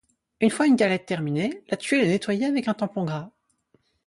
Une fois une galette terminée, la tuile est nettoyée avec un tampon gras.